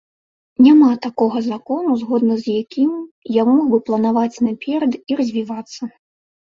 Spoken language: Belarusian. Няма такога закону, згодна з якім я мог бы планаваць наперад і развівацца.